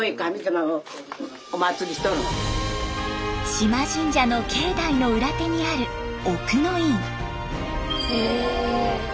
島神社の境内の裏手にある奥の院。